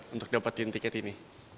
untuk dapetin tiket ini